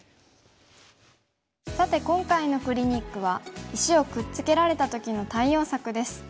さて今回のクリニックは石をくっつけられた時の対応策です。